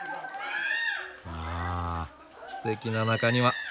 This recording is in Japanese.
わあすてきな中庭。